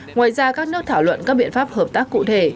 ngoài ra các nước thảo luận các biện pháp hợp tác cụ thể